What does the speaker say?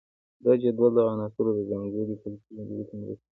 دا جدول د عناصرو د ځانګړتیاوو په پیژندلو کې مرسته کوي.